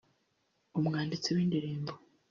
umwanditsi w’indirimbo